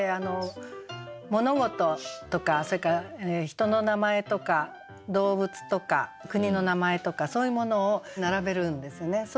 物事とかそれから人の名前とか動物とか国の名前とかそういうものを並べるんですね。